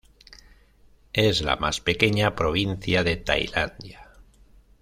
Es la más pequeña provincia de Tailandia.